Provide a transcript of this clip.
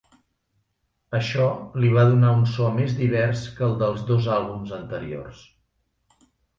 Això li va donar un so més divers que el dels dos àlbums anteriors.